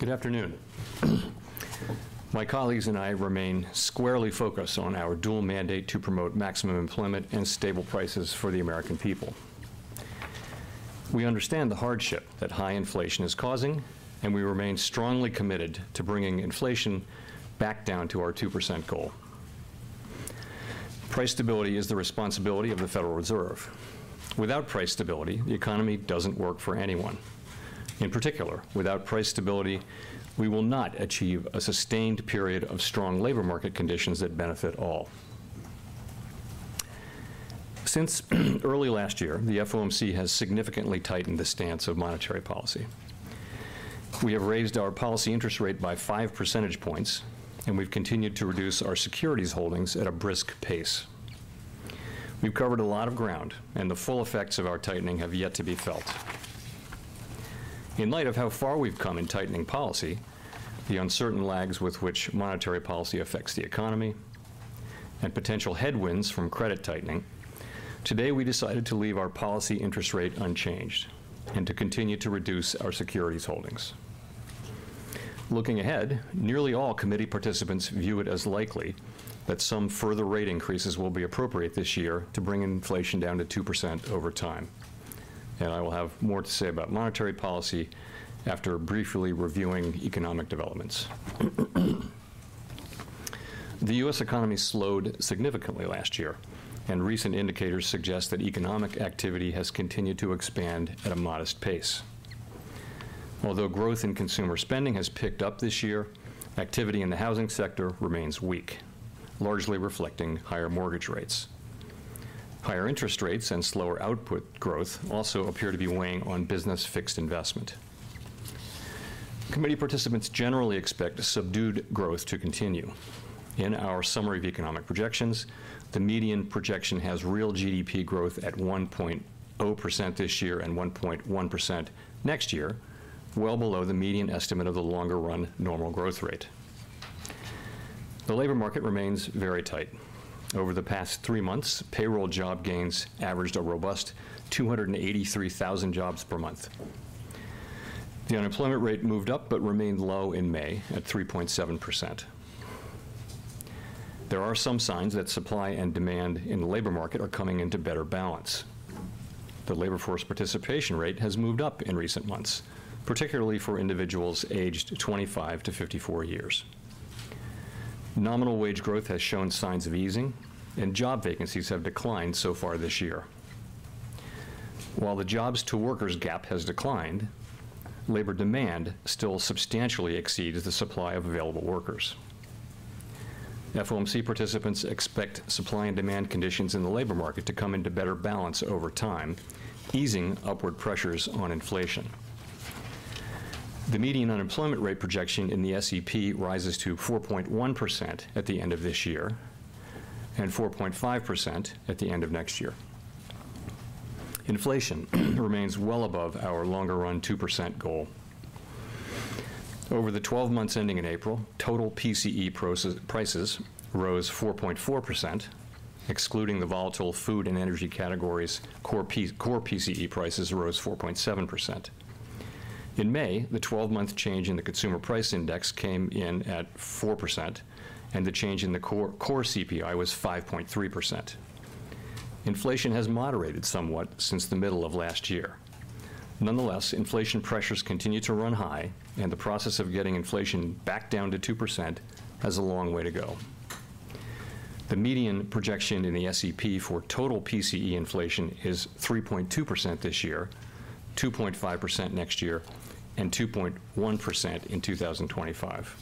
Good afternoon. My colleagues and I remain squarely focused on our dual mandate to promote maximum employment and stable prices for the American people. We understand the hardship that high inflation is causing, and we remain strongly committed to bringing inflation back down to our 2% goal. Price stability is the responsibility of the Federal Reserve. Without price stability, the economy doesn't work for anyone. In particular, without price stability, we will not achieve a sustained period of strong labor market conditions that benefit all. Since early last year, the FOMC has significantly tightened the stance of monetary policy. We have raised our policy interest rate by 5 percentage points, and we've continued to reduce our securities holdings at a brisk pace. We've covered a lot of ground, and the full effects of our tightening have yet to be felt. In light of how far we've come in tightening policy, the uncertain lags with which monetary policy affects the economy, and potential headwinds from credit tightening, today, we decided to leave our policy interest rate unchanged and to continue to reduce our securities holdings. Looking ahead, nearly all committee participants view it as likely that some further rate increases will be appropriate this year to bring inflation down to 2% over time. I will have more to say about monetary policy after briefly reviewing economic developments. The U.S. economy slowed significantly last year, and recent indicators suggest that economic activity has continued to expand at a modest pace. Although growth in consumer spending has picked up this year, activity in the housing sector remains weak, largely reflecting higher mortgage rates. Higher interest rates and slower output growth also appear to be weighing on business fixed investment. Committee participants generally expect subdued growth to continue. In our Summary of Economic Projections, the median projection has real GDP growth at 1.0% this year and 1.1% next year, well below the median estimate of the longer-run normal growth rate. The labor market remains very tight. Over the past three months, payroll job gains averaged a robust 283,000 jobs per month. The unemployment rate moved up, but remained low in May, at 3.7%. There are some signs that supply and demand in the labor market are coming into better balance. The labor force participation rate has moved up in recent months, particularly for individuals aged 25 to 54 years. Nominal wage growth has shown signs of easing, and job vacancies have declined so far this year. While the jobs-to-workers gap has declined, labor demand still substantially exceeds the supply of available workers. FOMC participants expect supply and demand conditions in the labor market to come into better balance over time, easing upward pressures on inflation. The median unemployment rate projection in the SEP rises to 4.1% at the end of this year and 4.5% at the end of next year. Inflation remains well above our longer-run 2% goal. Over the 12 months ending in April, total PCE prices rose 4.4%. Excluding the volatile food and energy categories, core PCE prices rose 4.7%. In May, the 12-month change in the Consumer Price Index came in at 4%, and the change in the core CPI was 5.3%. Inflation has moderated somewhat since the middle of last year. Nonetheless, inflation pressures continue to run high, and the process of getting inflation back down to 2% has a long way to go. The median projection in the SEP for total PCE inflation is 3.2% this year, 2.5% next year, and 2.1% in 2025.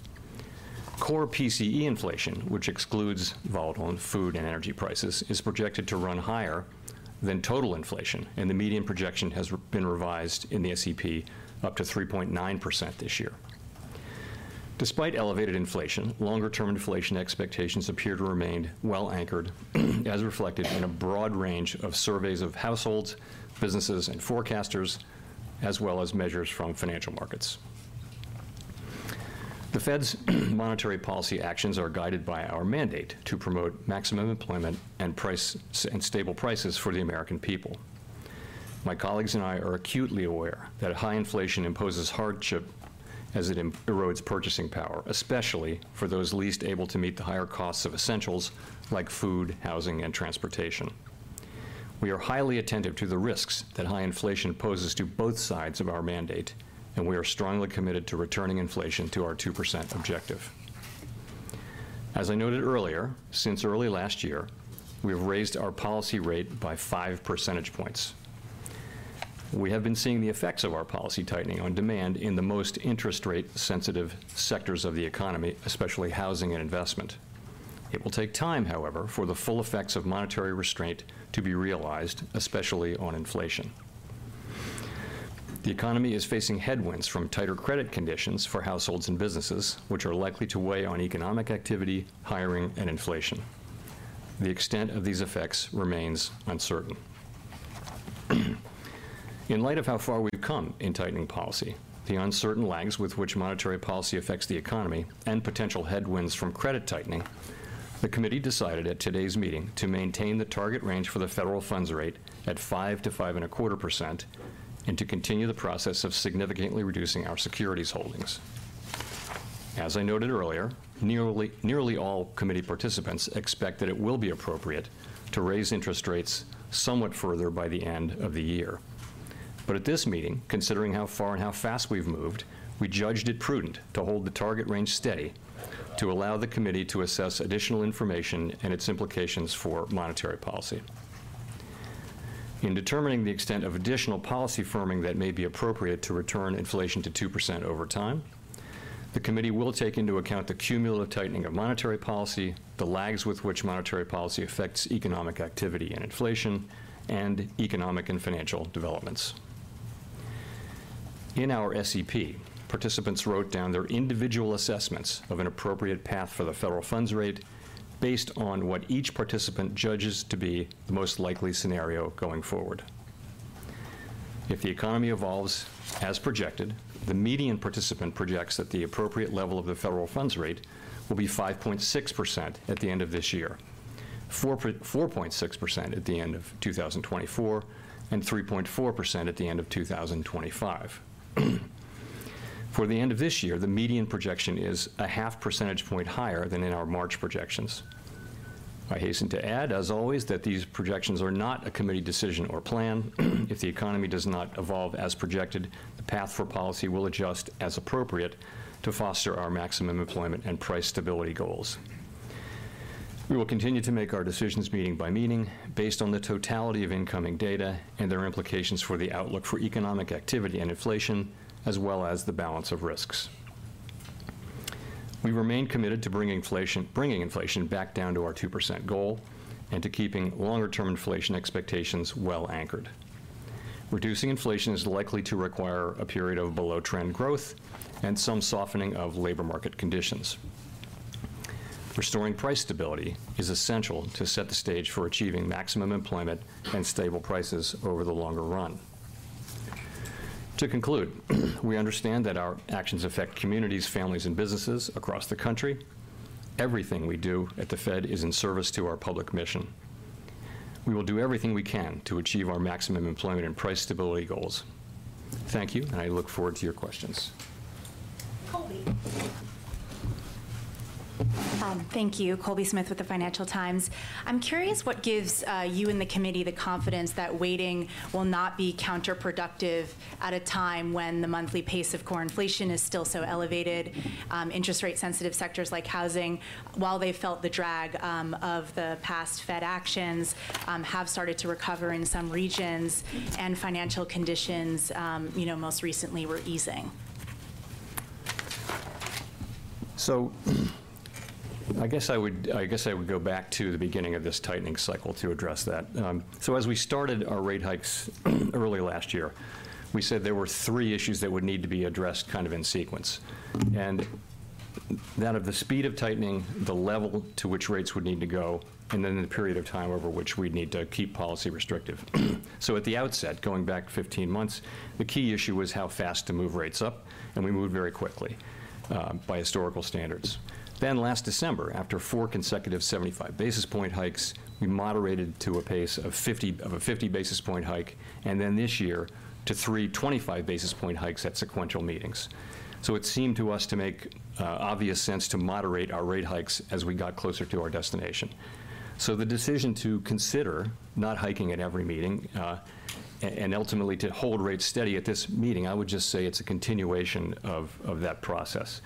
Core PCE inflation, which excludes volatile and food and energy prices, is projected to run higher than total inflation, and the median projection has been revised in the SEP up to 3.9% this year. Despite elevated inflation, longer-term inflation expectations appear to remain well anchored, as reflected in a broad range of surveys of households, businesses, and forecasters, as well as measures from financial markets. The Fed's monetary policy actions are guided by our mandate to promote maximum employment and stable prices for the American people. My colleagues and I are acutely aware that high inflation imposes hardship as it erodes purchasing power, especially for those least able to meet the higher costs of essentials like food, housing, and transportation. We are highly attentive to the risks that high inflation poses to both sides of our mandate, and we are strongly committed to returning inflation to our 2% objective. As I noted earlier, since early last year, we have raised our policy rate by 5 percentage points. We have been seeing the effects of our policy tightening on demand in the most interest rate-sensitive sectors of the economy, especially housing and investment. It will take time, however, for the full effects of monetary restraint to be realized, especially on inflation. The economy is facing headwinds from tighter credit conditions for households and businesses, which are likely to weigh on economic activity, hiring, and inflation. The extent of these effects remains uncertain. In light of how far we've come in tightening policy, the uncertain lags with which monetary policy affects the economy, and potential headwinds from credit tightening, the Committee decided at today's meeting to maintain the target range for the federal funds rate at 5%-5.25% and to continue the process of significantly reducing our securities holdings. As I noted earlier, nearly all committee participants expect that it will be appropriate to raise interest rates somewhat further by the end of the year. At this meeting, considering how far and how fast we've moved, we judged it prudent to hold the target range steady to allow the committee to assess additional information and its implications for monetary policy. In determining the extent of additional policy firming that may be appropriate to return inflation to 2% over time, the Committee will take into account the cumulative tightening of monetary policy, the lags with which monetary policy affects economic activity and inflation, and economic and financial developments. In our SEP, participants wrote down their individual assessments of an appropriate path for the federal funds rate based on what each participant judges to be the most likely scenario going forward. If the economy evolves as projected, the median participant projects that the appropriate level of the federal funds rate will be 5.6% at the end of this year, 4.6% at the end of 2024, and 3.4% at the end of 2025. For the end of this year, the median projection is a half percentage point higher than in our March projections. I hasten to add, as always, that these projections are not a committee decision or plan. If the economy does not evolve as projected, the path for policy will adjust as appropriate to foster our maximum employment and price stability goals. We will continue to make our decisions meeting by meeting, based on the totality of incoming data and their implications for the outlook for economic activity and inflation, as well as the balance of risks. We remain committed to bringing inflation back down to our 2% goal and to keeping longer-term inflation expectations well anchored. Reducing inflation is likely to require a period of below-trend growth and some softening of labor market conditions. Restoring price stability is essential to set the stage for achieving maximum employment and stable prices over the longer run. To conclude, we understand that our actions affect communities, families, and businesses across the country. Everything we do at the Fed is in service to our public mission. We will do everything we can to achieve our maximum employment and price stability goals. Thank you. I look forward to your questions. Colby. Thank you. Colby Smith with the Financial Times. I'm curious what gives you and the committee the confidence that waiting will not be counterproductive at a time when the monthly pace of core inflation is still so elevated, interest rate-sensitive sectors like housing, while they felt the drag of the past Fed actions, have started to recover in some regions, and financial conditions, you know, most recently were easing? I guess I would go back to the beginning of this tightening cycle to address that. As we started our rate hikes early last year, we said there were three issues that would need to be addressed kind of in sequence. That of the speed of tightening, the level to which rates would need to go, and the period of time over which we'd need to keep policy restrictive. At the outset, going back 15 months, the key issue was how fast to move rates up, and we moved very quickly by historical standards. Last December, after four consecutive 75 basis point hikes, we moderated to a pace of a 50 basis point hike, and this year, to 3 to 25 basis point hikes at sequential meetings. It seemed to us to make obvious sense to moderate our rate hikes as we got closer to our destination. The decision to consider not hiking at every meeting, and ultimately to hold rates steady at this meeting, I would just say it's a continuation of that process.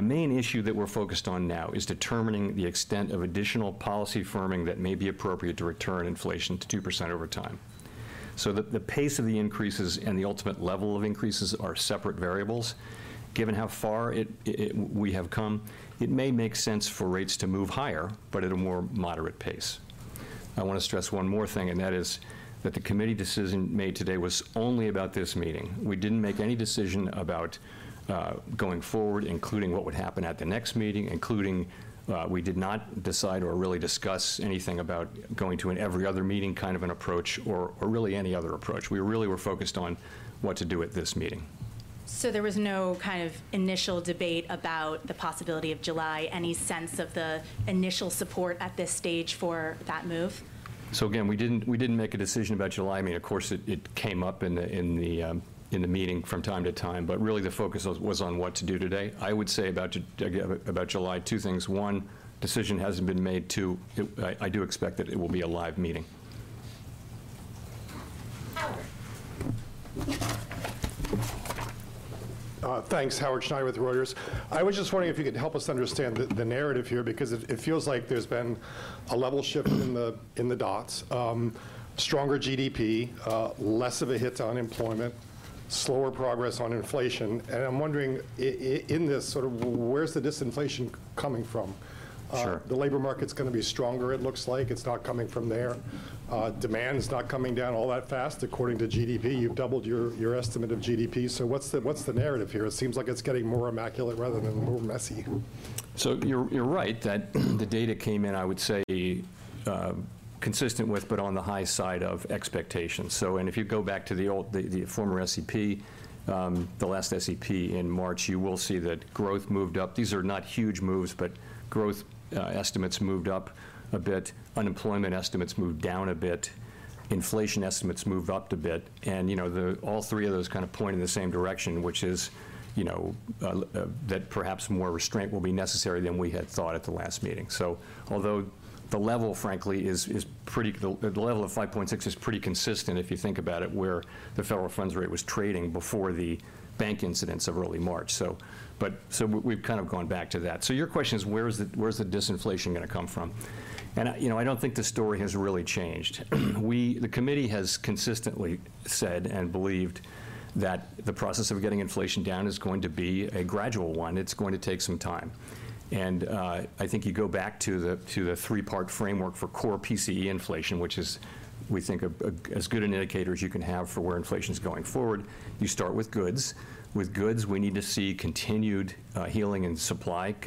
The main issue that we're focused on now is determining the extent of additional policy firming that may be appropriate to return inflation to 2% over time. The, the pace of the increases and the ultimate level of increases are separate variables. Given how far we have come, it may make sense for rates to move higher, but at a more moderate pace. I wanna stress one more thing, and that is that the committee decision made today was only about this meeting. We didn't make any decision about going forward, including what would happen at the next meeting, including, we did not decide or really discuss anything about going to an every other meeting kind of an approach or really any other approach. We really were focused on what to do at this meeting. There was no kind of initial debate about the possibility of July, any sense of the initial support at this stage for that move? Again, we didn't make a decision about July. I mean, of course, it came up in the meeting from time to time, but really the focus was on what to do today. I would say about July, two things: one, decision hasn't been made; two, I do expect that it will be a live meeting. Howard. Thanks. Howard Schneider with Reuters. I was just wondering if you could help us understand the narrative here, because it feels like there's been a level shift in the dots. Stronger GDP, less of a hit to unemployment, slower progress on inflation, and I'm wondering, in this, sort of where's the disinflation coming from? Sure. The labor market's gonna be stronger, it looks like. It's not coming from there. Demand is not coming down all that fast, according to GDP. You've doubled your estimate of GDP. What's the narrative here? It seems like it's getting more immaculate rather than more messy. You're right that the data came in, I would say, consistent with, but on the high side of expectations. If you go back to the old, the former SEP, the last SEP in March, you will see that growth moved up. These are not huge moves, but growth estimates moved up a bit, unemployment estimates moved down a bit, inflation estimates moved up a bit. You know, all three of those kind of point in the same direction, which is, you know, that perhaps more restraint will be necessary than we had thought at the last meeting. Although the level, frankly, is pretty, the level of 5.6 is pretty consistent, if you think about it, where the federal funds rate was trading before the bank incidents of early March. We've kind of gone back to that. Your question is: Where is the disinflation going to come from? I, you know, I don't think the story has really changed. The Committee has consistently said and believed that the process of getting inflation down is going to be a gradual one. It's going to take some time. I think you go back to the three-part framework for core PCE inflation, which is, we think, as good an indicator as you can have for where inflation is going forward. You start with goods. With goods, we need to see continued healing in supply-side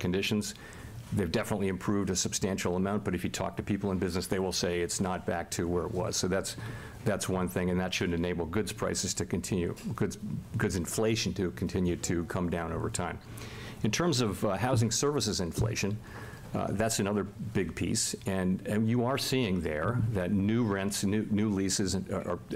conditions. They've definitely improved a substantial amount, but if you talk to people in business, they will say it's not back to where it was. That's one thing, and that should enable goods prices to continue goods inflation to continue to come down over time. In terms of housing services inflation, that's another big piece. You are seeing there that new rents, new leases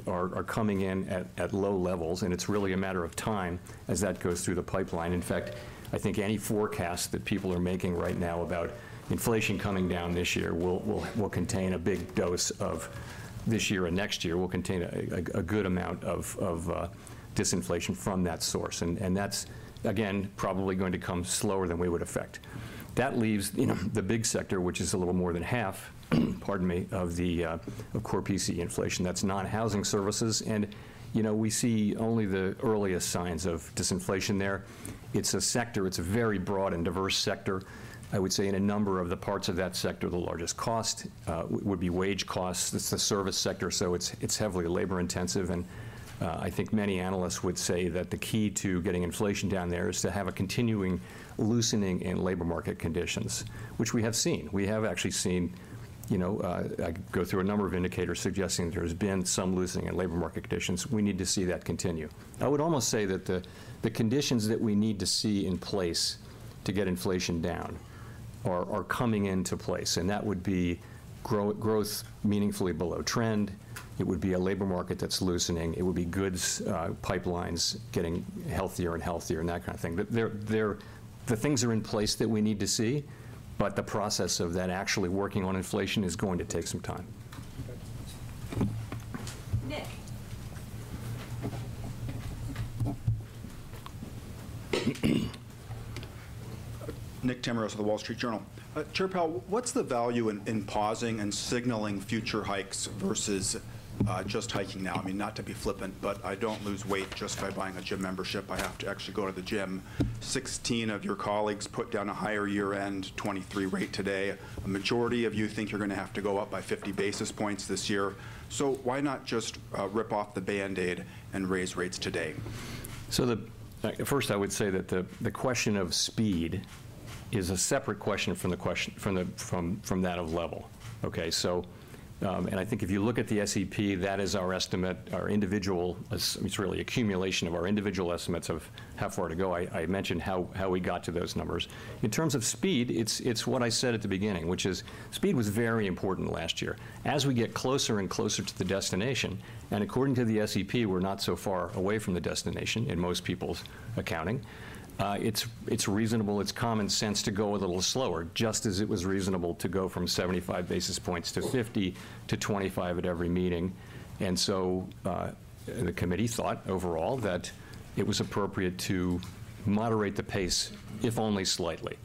are coming in at low levels, and it's really a matter of time as that goes through the pipeline. In fact, I think any forecast that people are making right now about inflation coming down this year will contain a big dose of this year and next year, will contain a good amount of disinflation from that source. That's, again, probably going to come slower than we would effect. That leaves, you know, the big sector, which is a little more than half, pardon me, of the core PCE inflation. That's non-housing services. You know, we see only the earliest signs of disinflation there. It's a sector, it's a very broad and diverse sector. I would say in a number of the parts of that sector, the largest cost would be wage costs. It's the service sector, so it's heavily labor-intensive. I think many analysts would say that the key to getting inflation down there is to have a continuing loosening in labor market conditions, which we have seen. We have actually seen, you know, I could go through a number of indicators suggesting there's been some loosening in labor market conditions. We need to see that continue. I would almost say that the conditions that we need to see in place to get inflation down are coming into place. That would be growth meaningfully below trend, it would be a labor market that's loosening, it would be goods, pipelines getting healthier and healthier, and that kind of thing. They're the things are in place that we need to see, the process of that actually working on inflation is going to take some time. Nick Timiraos of The Wall Street Journal. Chair Powell, what's the value in pausing and signaling future hikes versus just hiking now? I mean, not to be flippant, but I don't lose weight just by buying a gym membership. I have to actually go to the gym. 16 of your colleagues put down a higher year-end 2023 rate today. A majority of you think you're gonna have to go up by 50 basis points this year. Why not just rip off the Band-Aid and raise rates today? The first, I would say that the question of speed is a separate question from the question, from that of level. I think if you look at the SEP, that is our estimate, it's really accumulation of our individual estimates of how far to go. I mentioned how we got to those numbers. In terms of speed, it's what I said at the beginning, which is speed was very important last year. As we get closer and closer to the destination, and according to the SEP, we're not so far away from the destination in most people's accounting, it's reasonable, it's common sense to go a little slower, just as it was reasonable to go from 75 basis points to 50 to 25 at every meeting. The committee thought overall that it was appropriate to moderate the pace, if only slightly.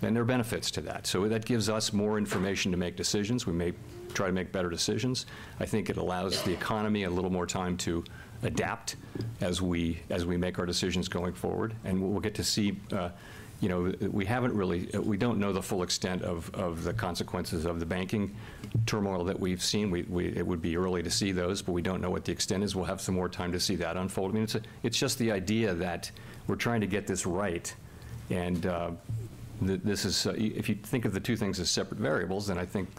There are benefits to that. That gives us more information to make decisions. We may try to make better decisions. I think it allows the economy a little more time to adapt as we make our decisions going forward. We'll get to see, you know, we haven't really, we don't know the full extent of the consequences of the banking turmoil that we've seen. It would be early to see those, but we don't know what the extent is. We'll have some more time to see that unfold. I mean, it's just the idea that we're trying to get this right, this is, If you think of the two things as separate variables, I think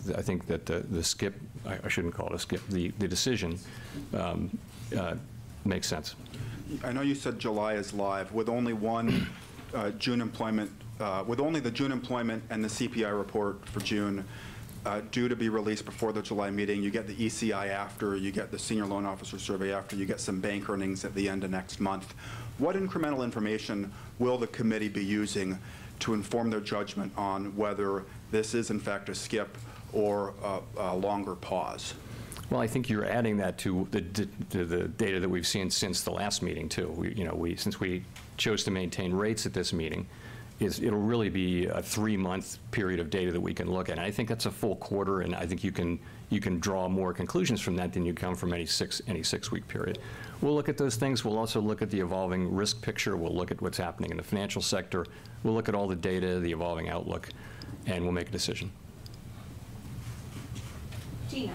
that the skip, I shouldn't call it a skip, the decision makes sense. I know you said July is live. With only the June employment and the CPI report for June, due to be released before the July meeting, you get the ECI after, you get the Senior Loan Officer Survey after, you get some bank earnings at the end of next month, what incremental information will the committee be using to inform their judgment on whether this is, in fact, a skip or a longer pause? I think you're adding that to the data that we've seen since the last meeting, too. We, you know, since we chose to maintain rates at this meeting, it'll really be a three-month period of data that we can look at. I think that's a full quarter, and I think you can draw more conclusions from that than you can from any six-week period. We'll look at those things. We'll also look at the evolving risk picture. We'll look at what's happening in the financial sector. We'll look at all the data, the evolving outlook, and we'll make a decision. Jeanna.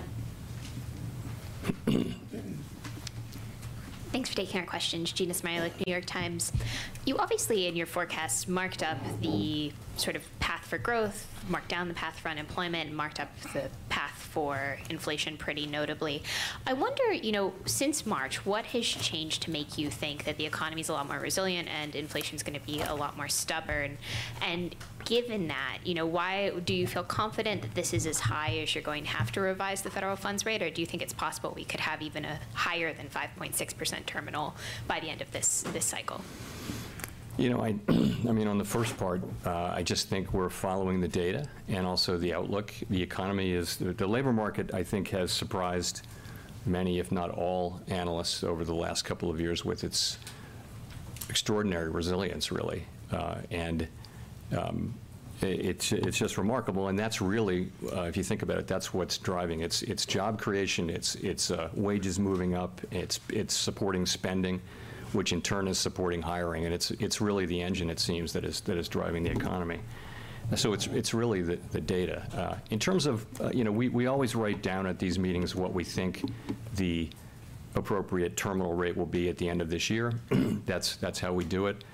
Thanks for taking our questions. Jeanna Smialek, The New York Times. You obviously, in your forecast, marked up the sort of path for growth, marked down the path for unemployment, and marked up the path for inflation pretty notably. I wonder, you know, since March, what has changed to make you think that the economy is a lot more resilient and inflation is gonna be a lot more stubborn? Given that, you know, do you feel confident that this is as high as you're going to have to revise the federal funds rate, or do you think it's possible we could have even a higher than 5.6% terminal by the end of this cycle? You know, I mean, on the first part, I just think we're following the data and also the outlook. The economy, the labor market, I think, has surprised many, if not all, analysts over the last couple of years with its extraordinary resilience, really. It's just remarkable, and that's really, if you think about it, that's what's driving. It's job creation, it's wages moving up, it's supporting spending, which in turn is supporting hiring, and it's really the engine, it seems, that is driving the economy. It's really the data. In terms of. You know, we always write down at these meetings what we think the appropriate terminal rate will be at the end of this year. That's how we do it.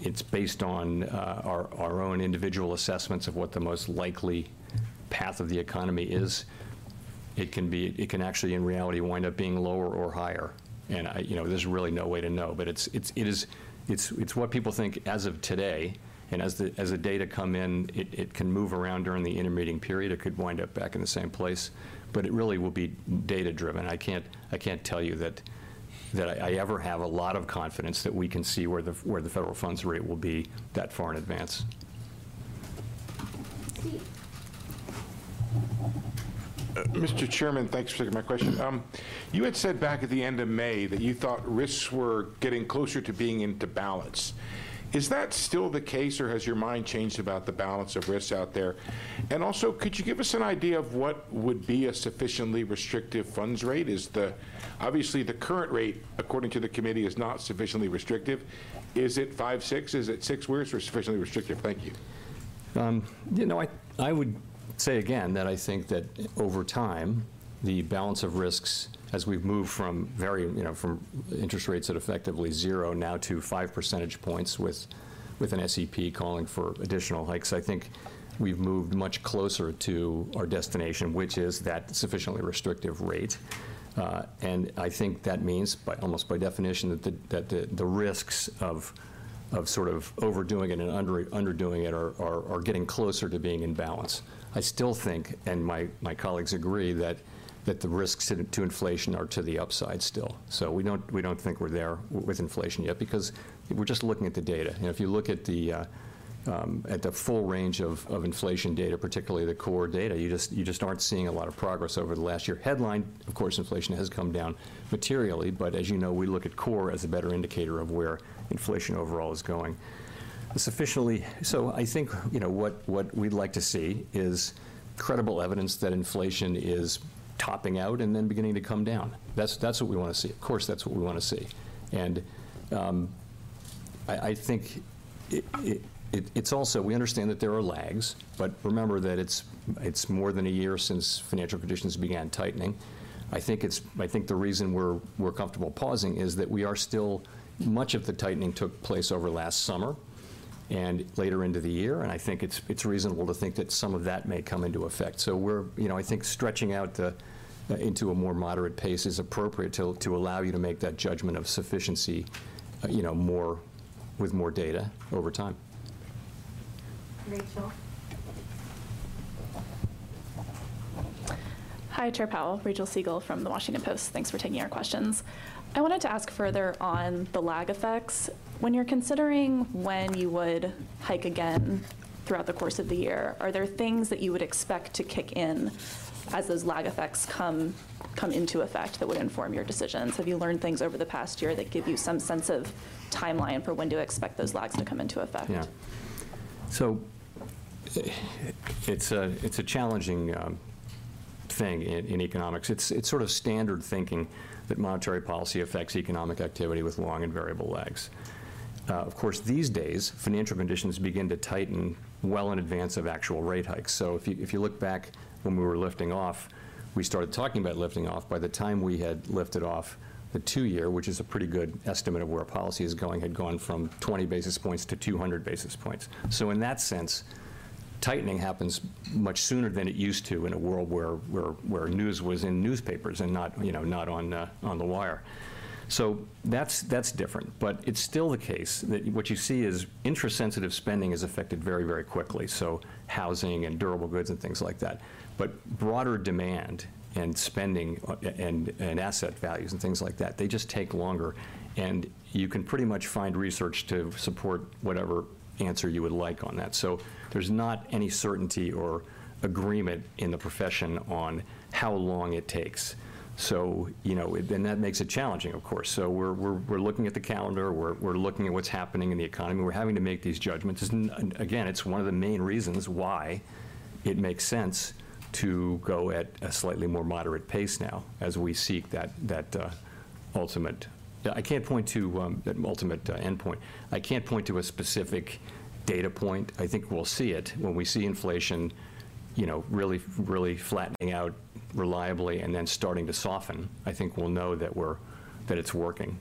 It's based on our own individual assessments of what the most likely path of the economy is. It can actually, in reality, wind up being lower or higher. You know, there's really no way to know. It is what people think as of today, and as the data come in, it can move around during the intermeeting period. It could wind up back in the same place, but it really will be data-driven. I can't tell you that I ever have a lot of confidence that we can see where the federal funds rate will be that far in advance. Steve. Mr. Chairman, thanks for taking my question. You had said back at the end of May that you thought risks were getting closer to being into balance. Is that still the case, or has your mind changed about the balance of risks out there? Also, could you give us an idea of what would be a sufficiently restrictive funds rate? Obviously, the current rate, according to the committee, is not sufficiently restrictive. Is it five, six? Is it six? Where is sufficiently restrictive? Thank you. You know, I would say again, that I think that over time, the balance of risks, as we've moved from very, you know, from interest rates at effectively 0 now to 5 percentage points with an SEP calling for additional hikes, I think we've moved much closer to our destination, which is that sufficiently restrictive rate. I think that means by, almost by definition, that the, that the risks of sort of overdoing it and underdoing it are getting closer to being in balance. I still think, and my colleagues agree, that the risks to inflation are to the upside still. We don't, we don't think we're there with inflation yet, because we're just looking at the data. You know, if you look at the at the full range of inflation data, particularly the core data, you just aren't seeing a lot of progress over the last year. Headline, of course, inflation has come down materially, but as you know, we look at core as a better indicator of where inflation overall is going. I think, you know, what we'd like to see is credible evidence that inflation is topping out and then beginning to come down. That's what we wanna see. Of course, that's what we wanna see. I think it, it's also we understand that there are lags, but remember that it's more than a year since financial conditions began tightening. I think the reason we're comfortable pausing is that we are still much of the tightening took place over last summer and later into the year. I think it's reasonable to think that some of that may come into effect. We're, you know, I think stretching out the into a more moderate pace is appropriate to allow you to make that judgment of sufficiency, you know, more, with more data over time. Rachel. Hi, Chair Powell. Rachel Siegel from The Washington Post. Thanks for taking our questions. I wanted to ask further on the lag effects. When you're considering when you would hike again throughout the course of the year, are there things that you would expect to kick in as those lag effects come into effect that would inform your decisions? Have you learned things over the past year that give you some sense of timeline for when to expect those lags to come into effect? Yeah. It's a, it's a challenging thing in economics. It's, it's sort of standard thinking that monetary policy affects economic activity with long and variable lags. Of course, these days, financial conditions begin to tighten well in advance of actual rate hikes. If you, if you look back when we were lifting off, we started talking about lifting off. By the time we had lifted off the two-year, which is a pretty good estimate of where our policy is going, had gone from 20 basis points to 200 basis points. In that sense, tightening happens much sooner than it used to in a world where news was in newspapers and not, you know, not on the wire. That's, that's different, but it's still the case. That what you see is interest-sensitive spending is affected very quickly, so housing and durable goods and things like that. Broader demand and spending, and asset values and things like that, they just take longer, and you can pretty much find research to support whatever answer you would like on that. There's not any certainty or agreement in the profession on how long it takes. You know, that makes it challenging, of course. We're looking at the calendar, we're looking at what's happening in the economy, we're having to make these judgments. Again, it's one of the main reasons why it makes sense to go at a slightly more moderate pace now as we seek that ultimate. I can't point to an ultimate endpoint. I can't point to a specific data point. I think we'll see it when we see inflation, you know, really flattening out reliably and then starting to soften, I think we'll know that it's working.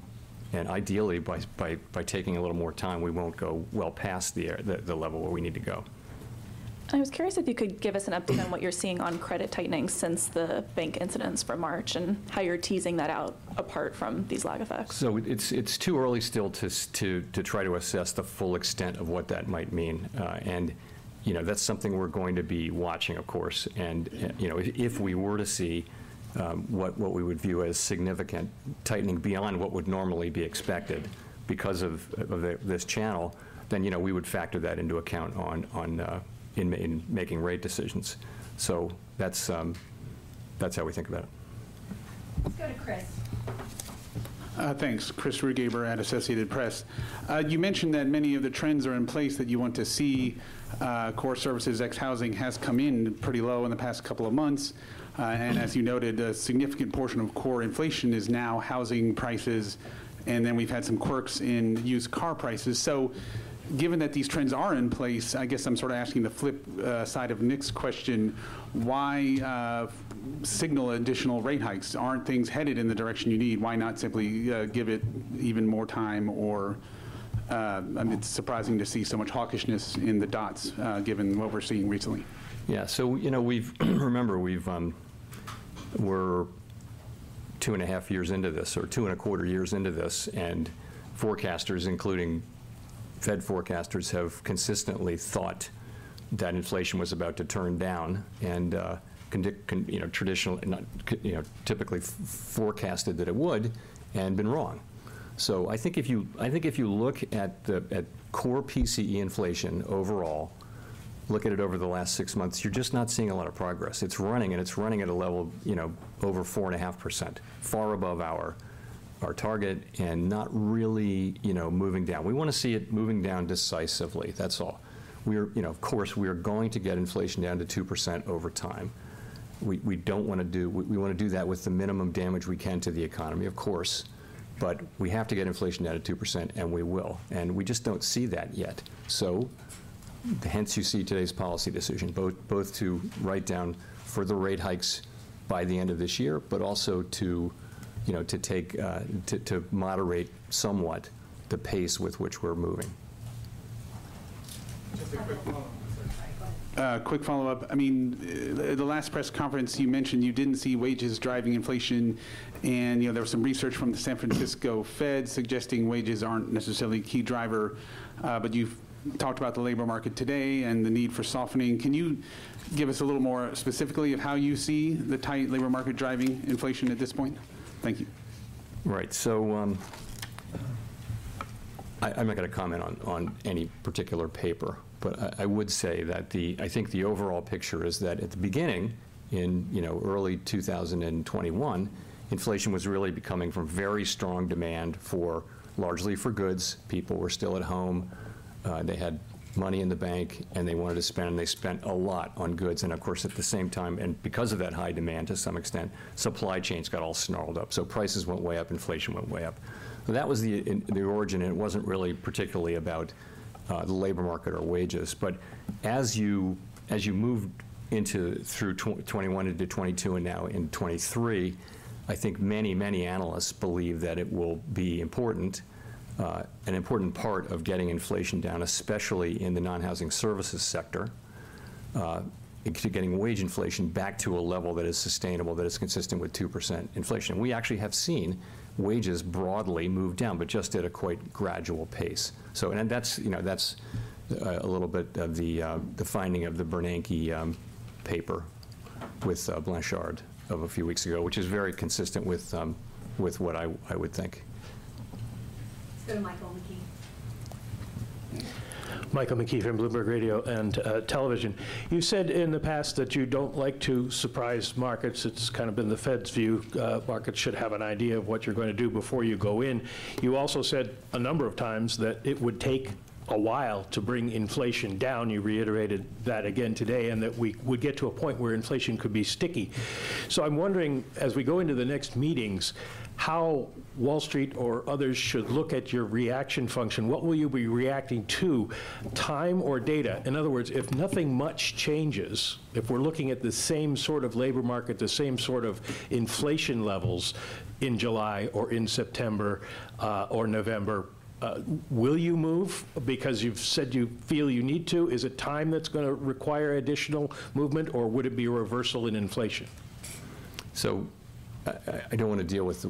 Ideally, by taking a little more time, we won't go well past the level where we need to go. I was curious if you could give us an update on what you're seeing on credit tightening since the bank incidents from March, and how you're teasing that out apart from these lag effects? It's too early still to try to assess the full extent of what that might mean. You know, that's something we're going to be watching, of course. You know, if we were to see what we would view as significant tightening beyond what would normally be expected because of this channel, then, you know, we would factor that into account on in making rate decisions. That's how we think about it. Let's go to Chris. Thanks. Christopher Rugaber at Associated Press. You mentioned that many of the trends are in place that you want to see. Core services, ex-housing, has come in pretty low in the past couple of months. As you noted, a significant portion of core inflation is now housing prices, and then we've had some quirks in used car prices. Given that these trends are in place, I guess I'm sort of asking the flip side of Nick's question: Why signal additional rate hikes? Aren't things headed in the direction you need? Why not simply give it even more time or, I mean, it's surprising to see so much hawkishness in the dots, given what we're seeing recently. You know, remember, we've, We're two and a half years into this, or two and a quarter years into this. Forecasters, including Fed forecasters, have consistently thought that inflation was about to turn down, you know, traditional, not, you know, typically forecasted that it would, and been wrong. I think if you, I think if you look at the, at core PCE inflation overall, look at it over the last six months, you're just not seeing a lot of progress. It's running, and it's running at a level, you know, over 4.5%, far above our target and not really, you know, moving down. We wanna see it moving down decisively. That's all. We're, you know, of course, we are going to get inflation down to 2% over time. We don't wanna do that with the minimum damage we can to the economy, of course, but we have to get inflation down to 2%, and we will. We just don't see that yet, so hence you see today's policy decision, both to write down further rate hikes by the end of this year, but also to, you know, to moderate somewhat the pace with which we're moving. Just a quick follow-up, sir. Quick follow-up. I mean, at the last press conference, you mentioned you didn't see wages driving inflation. You know, there was some research from the San Francisco Fed suggesting wages aren't necessarily a key driver. You've talked about the labor market today and the need for softening. Can you give us a little more specifically of how you see the tight labor market driving inflation at this point? Thank you. Right. I'm not gonna comment on any particular paper, but I would say that I think the overall picture is that at the beginning, in, you know, early 2021, inflation was really coming from very strong demand for, largely for goods. People were still at home, they had money in the bank, and they wanted to spend, and they spent a lot on goods. Of course, at the same time, and because of that high demand, to some extent, supply chains got all snarled up. Prices went way up, inflation went way up. That was the origin, and it wasn't really particularly about, the labor market or wages. As you moved into, through 2021 into 2022 and now in 2023, I think many analysts believe that it will be an important part of getting inflation down, especially in the non-housing services sector, in getting wage inflation back to a level that is sustainable, that is consistent with 2% inflation. We actually have seen wages broadly move down, but just at a quite gradual pace. That's, you know, that's a little bit of the finding of the Bernanke paper with Blanchard of a few weeks ago, which is very consistent with what I would think. Let's go to Michael McKee. Michael McKee from Bloomberg Radio and Television. You said in the past that you don't like to surprise markets. It's kind of been the Fed's view, markets should have an idea of what you're going to do before you go in. You also said a number of times that it would take a while to bring inflation down, you reiterated that again today, and that we would get to a point where inflation could be sticky. I'm wondering, as we go into the next meetings, how Wall Street or others should look at your reaction function. What will you be reacting to, time or data? In other words, if nothing much changes, if we're looking at the same sort of labor market, the same sort of inflation levels in July or in September, or November, will you move because you've said you feel you need to? Is it time that's gonna require additional movement, or would it be a reversal in inflation? I don't wanna deal with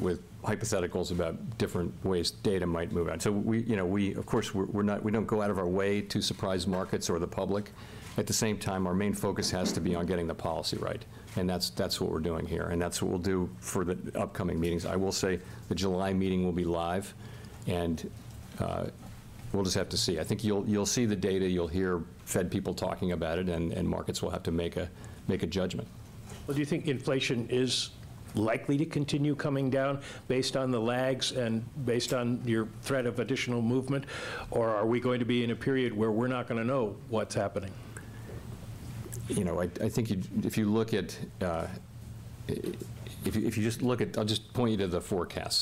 hypotheticals about different ways data might move out. We, you know, we, of course, we don't go out of our way to surprise markets or the public. At the same time, our main focus has to be on getting the policy right, and that's what we're doing here, and that's what we'll do for the upcoming meetings. I will say the July meeting will be live, and we'll just have to see. I think you'll see the data, you'll hear Fed people talking about it, and markets will have to make a judgment. Well, do you think inflation is likely to continue coming down based on the lags and based on your threat of additional movement, or are we going to be in a period where we're not gonna know what's happening? You know, I think if you just look at, I'll just point you to the forecast.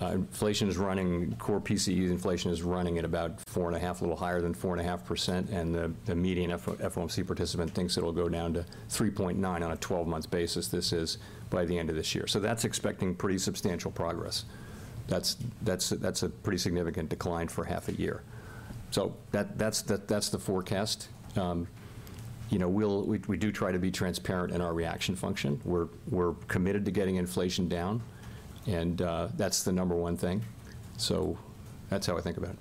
Inflation is running, core PCE inflation is running at about 4.5, a little higher than 4.5%, and the median FOMC participant thinks it'll go down to 3.9 on a 12-month basis. This is by the end of this year. That's expecting pretty substantial progress. That's a pretty significant decline for half a year. That's the forecast. You know, we do try to be transparent in our reaction function. We're committed to getting inflation down, and that's the number one thing. That's how I think about it.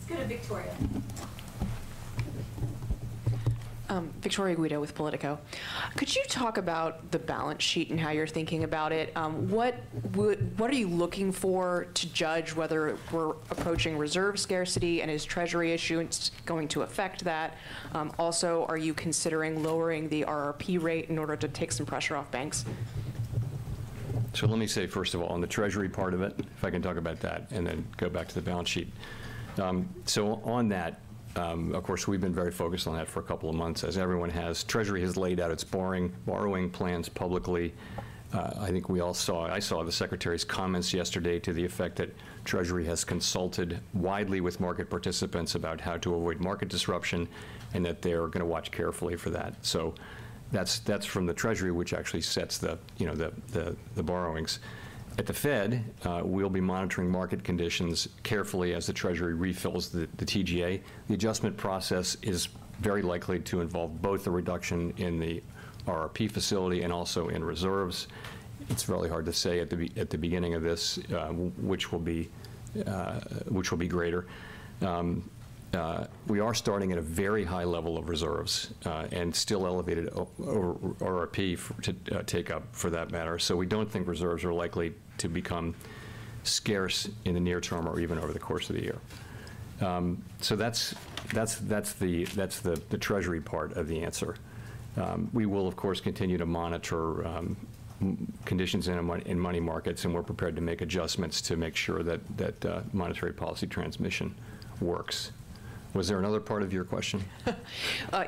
Let's go to Victoria. Victoria Guida with Politico. Could you talk about the balance sheet and how you're thinking about it? What are you looking for to judge whether we're approaching reserve scarcity, and is Treasury issuance going to affect that? Also, are you considering lowering the RRP rate in order to take some pressure off banks? Let me say, first of all, on the Treasury part of it, if I can talk about that, and then go back to the balance sheet. So on that, of course, we've been very focused on that for a couple of months, as everyone has. Treasury has laid out its borrowing plans publicly. I think we all saw it. I saw the Secretary's comments yesterday to the effect that Treasury has consulted widely with market participants about how to avoid market disruption, and that they're gonna watch carefully for that. That's from the Treasury, which actually sets the, you know, the borrowings. At the Fed, we'll be monitoring market conditions carefully as the Treasury refills the TGA. The adjustment process is very likely to involve both the reduction in the RRP facility and also in reserves. It's really hard to say at the beginning of this, which will be, which will be greater. We are starting at a very high level of reserves, and still elevated or RRP to take up, for that matter. We don't think reserves are likely to become scarce in the near term or even over the course of the year. That's the Treasury part of the answer. We will, of course, continue to monitor conditions in money markets, and we're prepared to make adjustments to make sure that monetary policy transmission works. Was there another part of your question?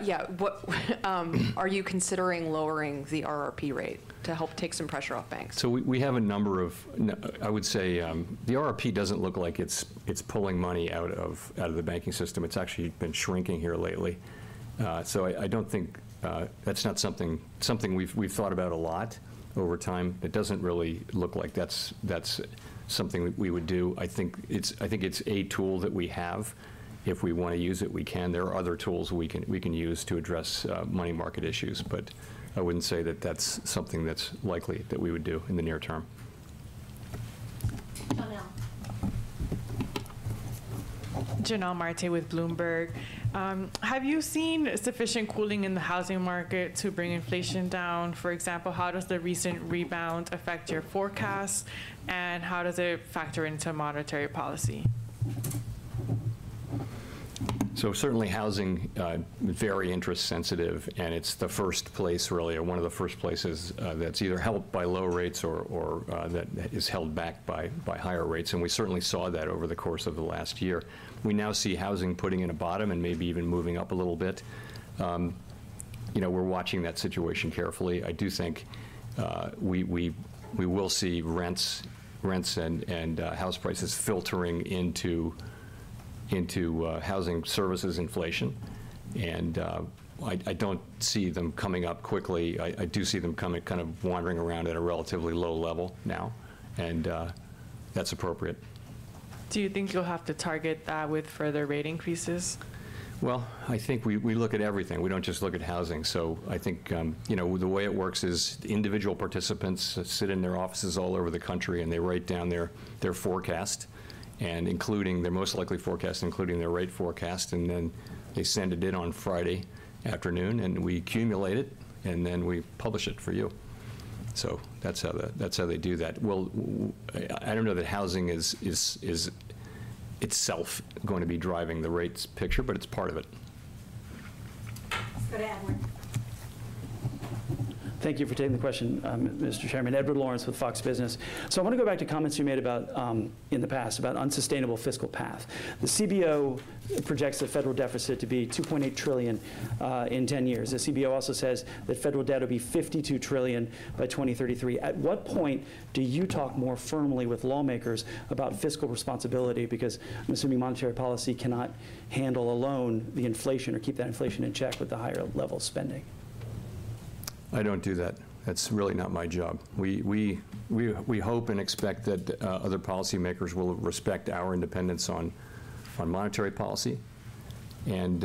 Yeah. What are you considering lowering the RRP rate to help take some pressure off banks? We have a number of I would say, the RRP doesn't look like it's pulling money out of the banking system. It's actually been shrinking here lately. I don't think. That's not something we've thought about a lot over time. It doesn't really look like that's something that we would do. I think it's a tool that we have. If we wanna use it, we can. There are other tools we can use to address money market issues. I wouldn't say that that's something that's likely that we would do in the near term. Jonnelle. Jonnelle Marte with Bloomberg. Have you seen sufficient cooling in the housing market to bring inflation down? For example, how does the recent rebound affect your forecast, and how does it factor into monetary policy? Certainly, housing, very interest sensitive, and it's the first place, really, or one of the first places, that's either helped by low rates or, that is held back by higher rates. We certainly saw that over the course of the last year. We now see housing putting in a bottom and maybe even moving up a little bit. You know, we're watching that situation carefully. I do think, we will see rents and house prices filtering into housing services inflation. I don't see them coming up quickly. I do see them coming, kind of wandering around at a relatively low level now, and that's appropriate. Do you think you'll have to target that with further rate increases? Well, I think we look at everything. We don't just look at housing. I think, you know, the way it works is individual participants sit in their offices all over the country, and they write down their forecast, and including their most likely forecast, including their rate forecast, and then they send it in on Friday afternoon, and we accumulate it, and then we publish it for you. That's how they do that. Well, I don't know that housing is itself going to be driving the rates picture, but it's part of it. Let's go to Edward. Thank you for taking the question, Mr. Chairman. Edward Lawrence with Fox Business. I want to go back to comments you made about in the past, about unsustainable fiscal path. The CBO projects the federal deficit to be $2.8 trillion in 10 years. The CBO also says that federal debt will be $52 trillion by 2033. At what point do you talk more firmly with lawmakers about fiscal responsibility? Because I'm assuming monetary policy cannot handle alone the inflation or keep that inflation in check with the higher level spending. I don't do that. That's really not my job. We hope and expect that other policymakers will respect our independence on monetary policy, and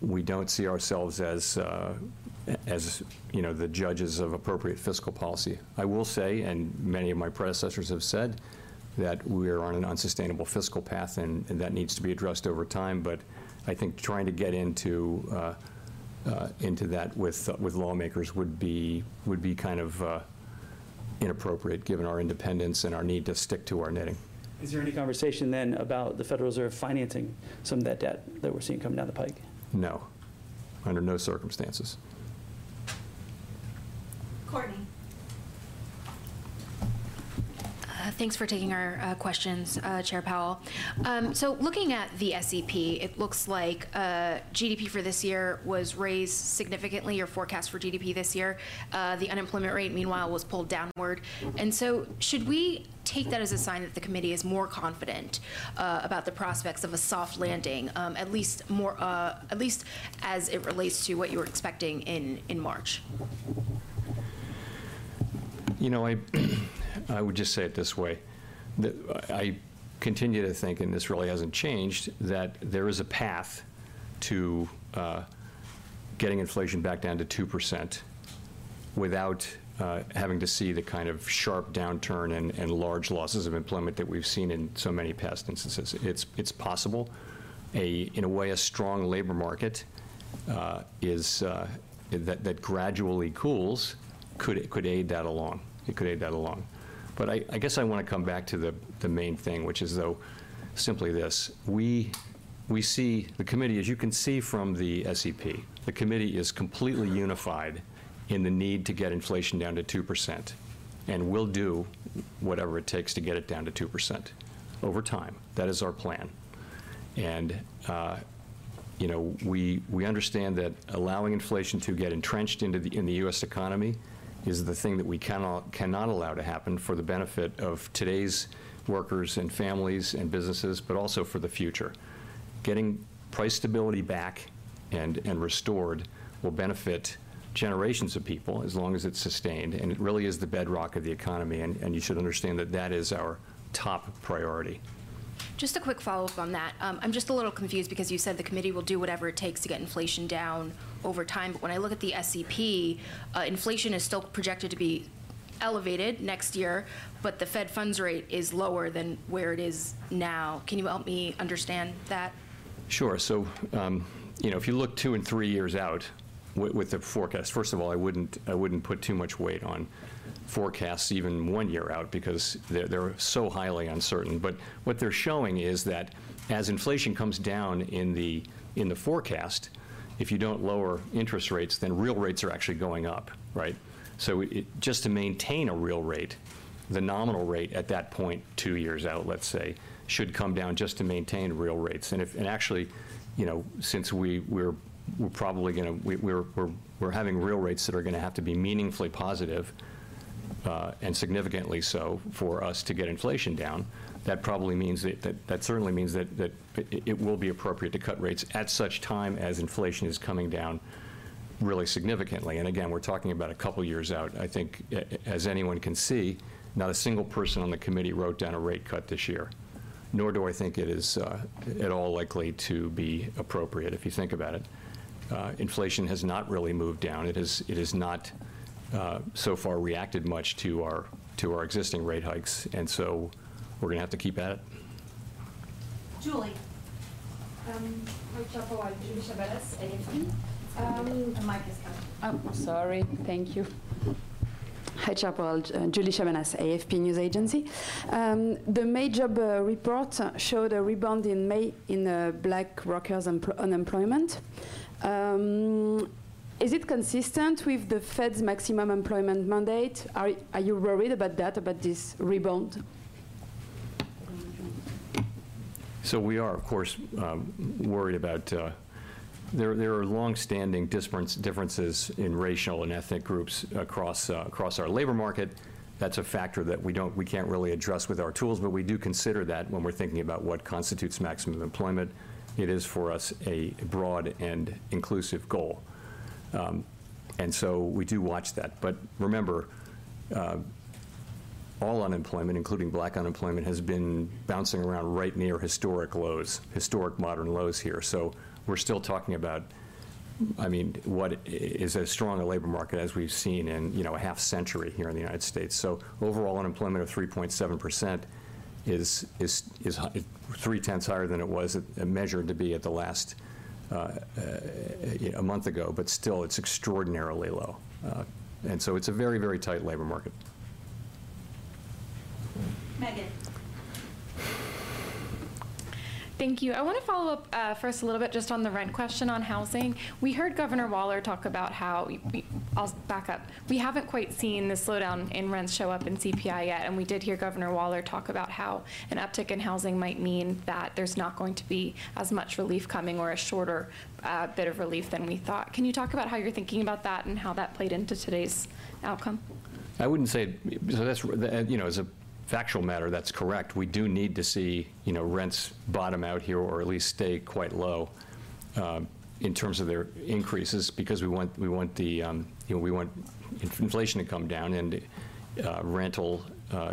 we don't see ourselves as, you know, the judges of appropriate fiscal policy. I will say, and many of my predecessors have said, that we're on an unsustainable fiscal path, and that needs to be addressed over time. I think trying to get into that with lawmakers would be kind of inappropriate, given our independence and our need to stick to our knitting. Is there any conversation about the Federal Reserve financing some of that debt that we're seeing coming down the pike? No, under no circumstances. Courtney. Thanks for taking our questions, Chair Powell. Looking at the SEP, it looks like GDP for this year was raised significantly, your forecast for GDP this year. The unemployment rate, meanwhile, was pulled downward. Should we take that as a sign that the committee is more confident about the prospects of a soft landing, at least more, at least as it relates to what you were expecting in March? You know, I would just say it this way, that I continue to think, and this really hasn't changed, that there is a path to getting inflation back down to 2% without having to see the kind of sharp downturn and large losses of employment that we've seen in so many past instances. It's possible. In a way, a strong labor market that gradually cools, could aid that along. It could aid that along. I guess I wanna come back to the main thing, which is, though, simply this: we see the committee, as you can see from the SEP, the committee is completely unified in the need to get inflation down to 2%, and we'll do whatever it takes to get it down to 2% over time. That is our plan. you know, we understand that allowing inflation to get entrenched in the U.S. economy is the thing that we cannot allow to happen for the benefit of today's workers and families and businesses, also for the future. Getting price stability back and restored will benefit generations of people as long as it's sustained, it really is the bedrock of the economy, you should understand that that is our top priority. Just a quick follow-up on that. I'm just a little confused because you said the committee will do whatever it takes to get inflation down over time. When I look at the SEP, inflation is still projected to be elevated next year, but the Fed funds rate is lower than where it is now. Can you help me understand that? Sure. You know, if you look 2 and 3 years out with the forecast. First of all, I wouldn't put too much weight on forecasts even 1 year out, because they're so highly uncertain. What they're showing is that as inflation comes down in the forecast, if you don't lower interest rates, then real rates are actually going up, right? Just to maintain a real rate, the nominal rate at that point, 2 years out, let's say, should come down just to maintain real rates. actually, you know, since we're having real rates that are gonna have to be meaningfully positive and significantly so, for us to get inflation down, that probably means that certainly means that it will be appropriate to cut rates at such time as inflation is coming down really significantly. Again, we're talking about a couple years out. I think, as anyone can see, not a single person on the committee wrote down a rate cut this year, nor do I think it is at all likely to be appropriate, if you think about it. Inflation has not really moved down. It has not so far reacted much to our existing rate hikes, we're gonna have to keep at it. Julie. Hi, Chair Powell. Julie Chabanas, AFP. The mic is coming. Sorry. Thank you. Hi, Chair Powell. Julie Chabanas, AFP News Agency. The May job report showed a rebound in May in Black workers unemployment. Is it consistent with the Fed's maximum employment mandate? Are you worried about that, about this rebound? We are, of course, worried about. There are longstanding differences in racial and ethnic groups across our labor market. That's a factor that we can't really address with our tools, but we do consider that when we're thinking about what constitutes maximum employment. It is, for us, a broad and inclusive goal. We do watch that. Remember, all unemployment, including Black unemployment, has been bouncing around right near historic lows, historic modern lows here. We're still talking about, I mean, what is as strong a labor market as we've seen in, you know, a half century here in the United States. Overall unemployment of 3.7% is 0.3 higher than it was measured to be at the last a month ago, but still, it's extraordinarily low. It's a very, very tight labor market. Megan. Thank you. I want to follow up, first a little bit just on the rent question on housing. We heard Governor Waller talk about how I'll back up. We haven't quite seen the slowdown in rents show up in CPI yet, and we did hear Governor Waller talk about how an uptick in housing might mean that there's not going to be as much relief coming or a shorter, bit of relief than we thought. Can you talk about how you're thinking about that and how that played into today's outcome? I wouldn't say, so that's, you know, as a factual matter, that's correct. We do need to see, you know, rents bottom out here, or at least stay quite low, in terms of their increases, because we want, we want the, you know, we want inflation to come down, and rental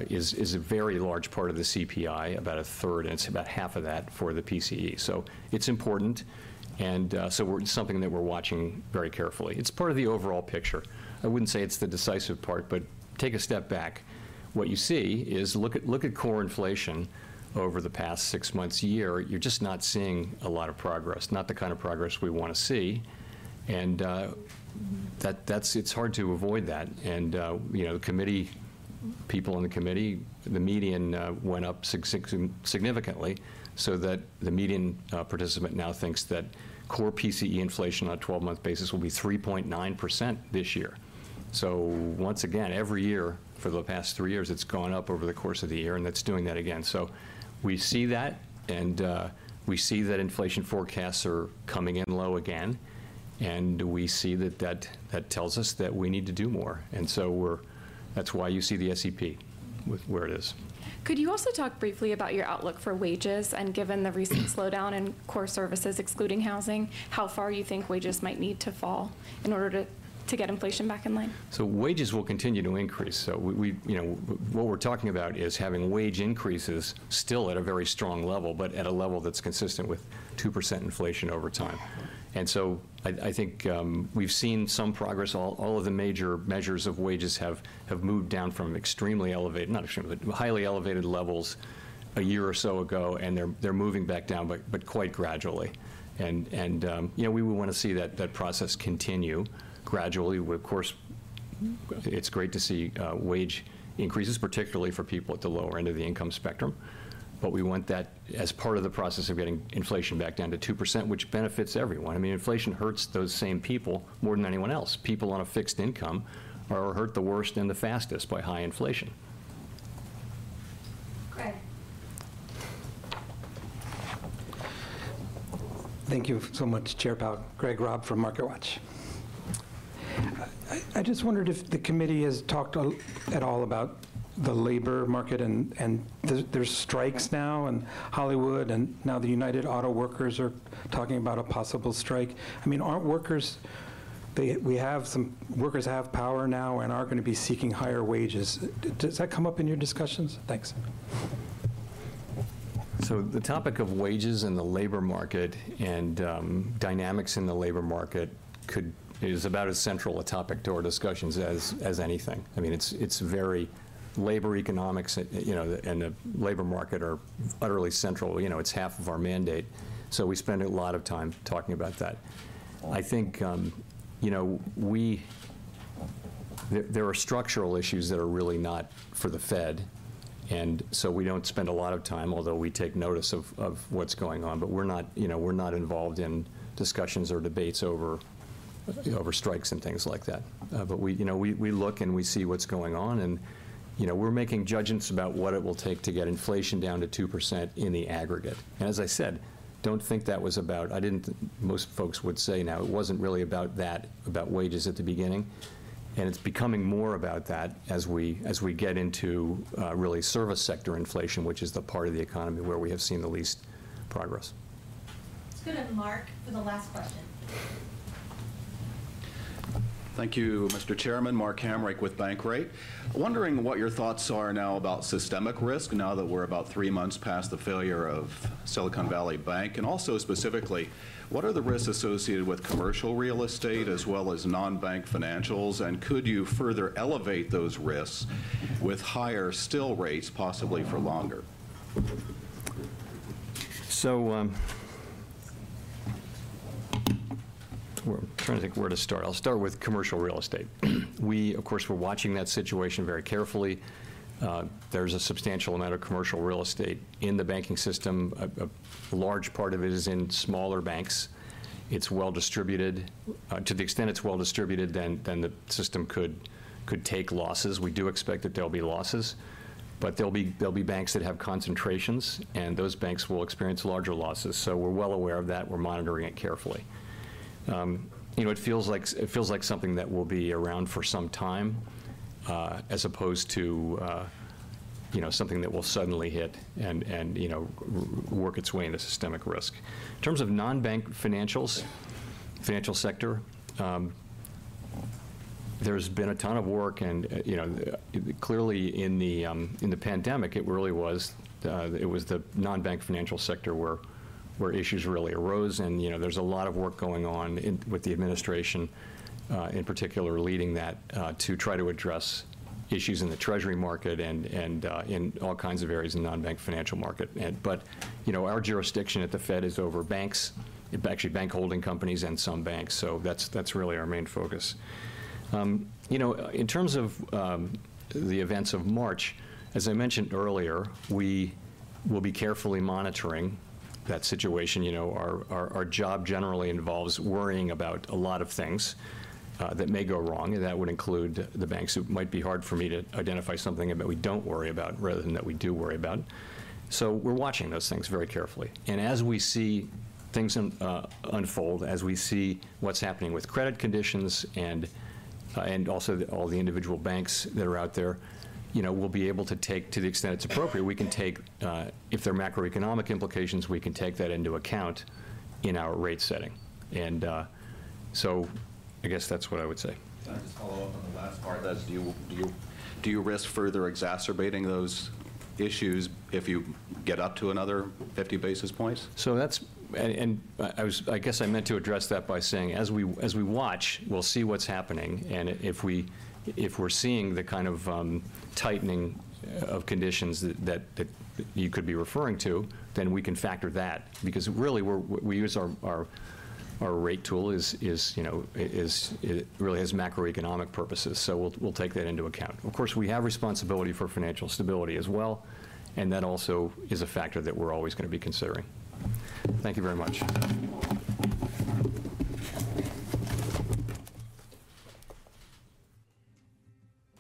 is a very large part of the CPI, about a third, and it's about half of that for the PCE. It's important, and, so something that we're watching very carefully. It's part of the overall picture. I wouldn't say it's the decisive part, but take a step back. What you see is, look at core inflation over the past 6 months, year, you're just not seeing a lot of progress, not the kind of progress we want to see, and that's hard to avoid that. You know, the committee, people on the committee, the median went up significantly, so that the median participant now thinks that core PCE inflation on a 12-month basis will be 3.9% this year. Once again, every year for the past three years, it's gone up over the course of the year, and it's doing that again. We see that, and we see that inflation forecasts are coming in low again, and we see that that tells us that we need to do more. That's why you see the SEP with where it is. Could you also talk briefly about your outlook for wages? Given the recent slowdown in core services, excluding housing, how far you think wages might need to fall in order to get inflation back in line? Wages will continue to increase. We you know, what we're talking about is having wage increases still at a very strong level, but at a level that's consistent with 2% inflation over time. I think we've seen some progress. All of the major measures of wages have moved down from extremely elevated, not extremely, but highly elevated levels a year or so ago, and they're moving back down, but quite gradually. You know, we would wanna see that process continue gradually. Of course, it's great to see wage increases, particularly for people at the lower end of the income spectrum, but we want that as part of the process of getting inflation back down to 2%, which benefits everyone. I mean, inflation hurts those same people more than anyone else. People on a fixed income are hurt the worst and the fastest by high inflation. Greg. Thank you so much, Chair Powell. Greg Robb from MarketWatch. I just wondered if the committee has talked at all about the labor market and there's strikes now in Hollywood, and now the United Auto Workers are talking about a possible strike. I mean, workers have power now and are gonna be seeking higher wages. Does that come up in your discussions? Thanks. The topic of wages and the labor market and dynamics in the labor market is about as central a topic to our discussions as anything. I mean, it's very. Labor economics, you know, the, and the labor market are utterly central. You know, it's half of our mandate, so we spend a lot of time talking about that. I think, you know, there are structural issues that are really not for the Fed, and so we don't spend a lot of time, although we take notice of what's going on. We're not, you know, we're not involved in discussions or debates over strikes and things like that. We, you know, we look, and we see what's going on, and, you know, we're making judgments about what it will take to get inflation down to 2% in the aggregate. As I said, don't think that was about... most folks would say now, it wasn't really about that, about wages at the beginning, and it's becoming more about that as we get into, really, service sector inflation, which is the part of the economy where we have seen the least progress. Let's go to Mark for the last question. Thank you, Mr. Chairman. Mark Hamrick with Bankrate. Wondering what your thoughts are now about systemic risk, now that we're about three months past the failure of Silicon Valley Bank. Specifically, what are the risks associated with commercial real estate, as well as non-bank financials? Could you further elevate those risks with higher still rates, possibly for longer? We're trying to think where to start. I'll start with commercial real estate. Of course, we're watching that situation very carefully. There's a substantial amount of commercial real estate in the banking system. A large part of it is in smaller banks. It's well-distributed. To the extent it's well-distributed, the system could take losses. We do expect that there'll be losses, but there'll be banks that have concentrations, and those banks will experience larger losses. We're well aware of that. We're monitoring it carefully. You know, it feels like something that will be around for some time, as opposed to, you know, something that will suddenly hit and, you know, work its way into systemic risk. In terms of non-bank financials, financial sector, there's been a ton of work, and you know, clearly, in the pandemic, it really was, it was the non-bank financial sector where issues really arose. You know, there's a lot of work going on with the administration, in particular, leading that, to try to address issues in the treasury market and, in all kinds of areas in the non-bank financial market. You know, our jurisdiction at the Fed is over banks, actually, bank holding companies and some banks, so that's really our main focus. You know, in terms of the events of March, as I mentioned earlier, we will be carefully monitoring that situation. You know, our job generally involves worrying about a lot of things that may go wrong. That would include the banks. It might be hard for me to identify something we don't worry about rather than that we do worry about. We're watching those things very carefully. As we see things unfold, as we see what's happening with credit conditions and also all the individual banks that are out there, you know, we'll be able to take, to the extent it's appropriate, we can take if there are macroeconomic implications, we can take that into account in our rate setting. I guess that's what I would say. Can I just follow up on the last part? Do you risk further exacerbating those issues if you get up to another 50 basis points? That's and I guess I meant to address that by saying, as we watch, we'll see what's happening, and if we're seeing the kind of tightening of conditions that you could be referring to, then we can factor that. Really, we use our rate tool is, you know, it is, it really has macroeconomic purposes, so we'll take that into account. Of course, we have responsibility for financial stability as well, and that also is a factor that we're always gonna be considering. Thank you very much.